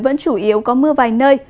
vẫn chủ yếu có mưa vài nơi